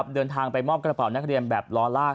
เดินทางไปมอบกระเป๋านักเรียนแบบล้อลาก